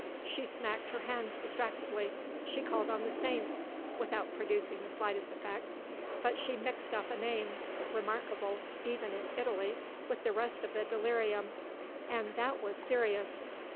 She smacked her hands distractedly; she called on the saints (without producing the slightest effect) but she mixed up a name, remarkable even in Italy, with the rest of the delirium; and that was serious.